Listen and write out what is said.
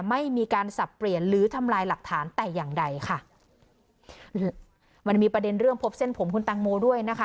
ไม่มีการสับเปลี่ยนหรือทำลายหลักฐานแต่อย่างใดค่ะมันมีประเด็นเรื่องพบเส้นผมคุณตังโมด้วยนะคะ